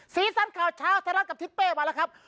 สีสันข่าวเช้าไทยรัฐกับทิศเป้มาแล้วครับ